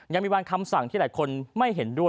ยังมีบางคำสั่งที่หลายคนไม่เห็นด้วย